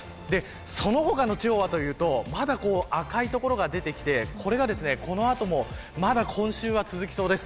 その他の地方はというとまだ赤い所が出てきてこれがこのあともまだ今週は続きそうです。